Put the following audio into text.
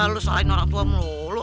lu soalin orang tua melulu